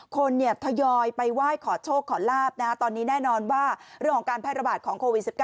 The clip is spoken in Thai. คนทยอยไปไหว้ขอโชคขอลาบตอนนี้แน่นอนว่าเรื่องของการแพร่ระบาดของโควิด๑๙